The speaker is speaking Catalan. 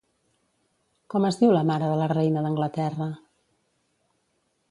Com es diu la mare de la Reina d'Anglaterra?